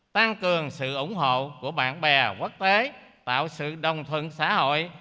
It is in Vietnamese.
tăng cường sự ủng hộ của bạn bè quốc tế tạo sự đồng thuận xã hội